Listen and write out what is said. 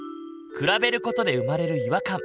比べることで生まれる違和感。